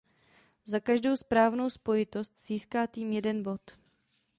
Za každou správnou spojitost získá tým jeden bod.